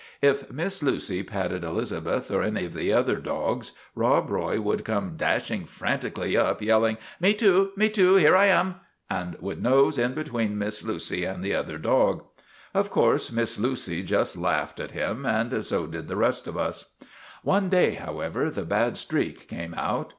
If Miss Lucy patted Elizabeth or any of the other dogs, Rob Roy would come dash ing frantically up, yelling ' Me too, me too ! Here I am !' and would nose in between Miss Lucy and the JUSTICE AT VALLEY BROOK 105 other dog. Of course Miss Lucy just laughed at him, and so did the rest of us. " One day, however, the bad streak came out.